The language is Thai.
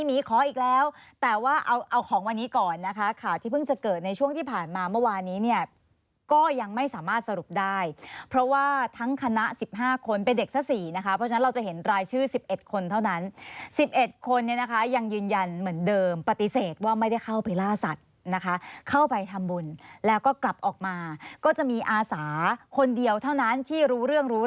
หมีขออีกแล้วแต่ว่าเอาของวันนี้ก่อนนะคะข่าวที่เพิ่งจะเกิดในช่วงที่ผ่านมาเมื่อวานนี้เนี่ยก็ยังไม่สามารถสรุปได้เพราะว่าทั้งคณะ๑๕คนเป็นเด็กซะ๔นะคะเพราะฉะนั้นเราจะเห็นรายชื่อ๑๑คนเท่านั้น๑๑คนเนี่ยนะคะยังยืนยันเหมือนเดิมปฏิเสธว่าไม่ได้เข้าไปล่าสัตว์นะคะเข้าไปทำบุญแล้วก็กลับออกมาก็จะมีอาสาคนเดียวเท่านั้นที่รู้เรื่องรู้